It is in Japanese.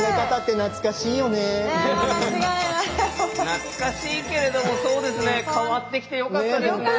懐かしいけれどもそうですね変わってきてよかったですね。